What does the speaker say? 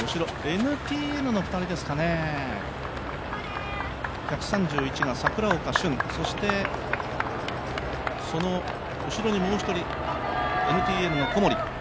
ＮＴＮの２人ですかね、１３１が櫻岡駿、そしてその後ろにもう一人、ＮＴＮの小森。